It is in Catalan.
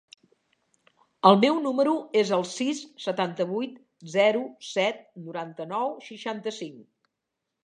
El meu número es el sis, setanta-vuit, zero, set, noranta-nou, seixanta-cinc.